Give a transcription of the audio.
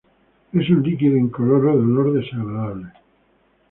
Es un líquido incoloro de olor desagradable.